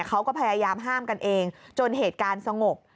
เขาก็พยายามห้ามกันเองจนเหตุการณ์สงบ